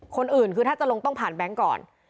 คนอื่นคือถ้าจะลงต้องผ่านแบงค์ก่อน